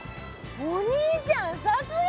お兄ちゃんさすが！